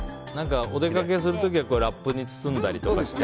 お出かけする時はラップに包んだりとかして